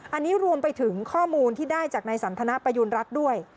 อันนี้รวมไปถึงข้อมูลที่ได้จากนายสันทนประยุณรัฐด้วย